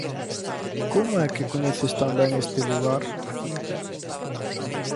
Como é que coñeces tan ben este lugar?